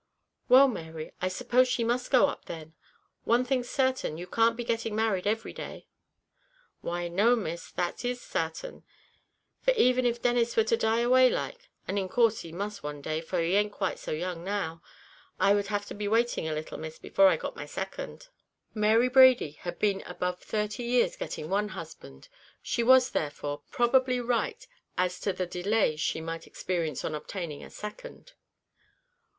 "Well, Mary, I suppose she must go up then; one thing's certain, you can't be getting married every day." "Why no, Miss, that is sartain; for even if Denis were to die away like, as in course he must one day, for he ain't quite so young now, I would have to be waiting a little, Miss, before I got my second." Mary Brady had been above thirty years getting one husband; she was, therefore, probably right as to the delay she might experience in obtaining a second.